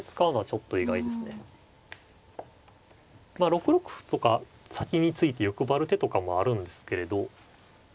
６六歩とか先に突いて欲張る手とかもあるんですけれど。